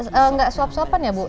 kok ini nggak suap suapan ya bu